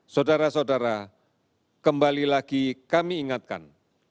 saudara saudara kembali lagi kami ingatkan